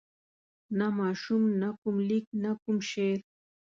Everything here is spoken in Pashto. نه ماشوم نه کوم لیک نه کوم شعر.